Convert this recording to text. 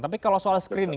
tapi kalau soal screening